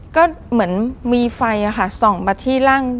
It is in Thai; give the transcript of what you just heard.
ก็เหมือนมีไฟ๒บัตรที่ล่าง